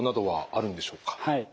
はい。